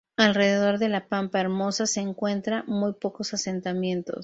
Alrededor de la Pampa Hermosa se encuentra muy pocos asentamientos.